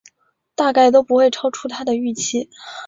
大概都不会超出他的预期